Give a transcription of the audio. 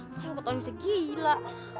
kayak ketauan bisa gila